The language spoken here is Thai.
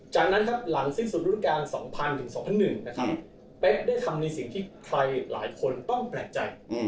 จากนั้นครับหลังสิ้นสุดรุ่นการ๒๐๐ถึง๒๐๐๑นะครับเป๊กได้ทำในสิ่งที่ใครหลายคนต้องแปลกใจ